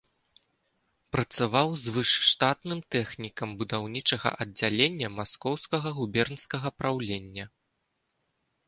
Працаваў звышштатным тэхнікам будаўнічага аддзялення маскоўскага губернскага праўлення.